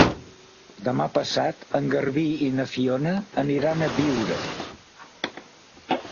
Demà passat en Garbí i na Fiona aniran a Biure.